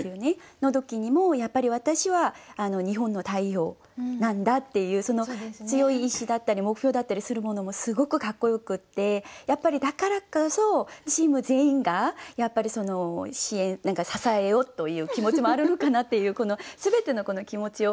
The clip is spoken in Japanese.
の時にもやっぱり私は日本の代表なんだっていう強い意志だったり目標だったりするものもすごくかっこよくてだからこそチーム全員が支えようという気持ちもあるのかなっていう全てのこの気持ちを。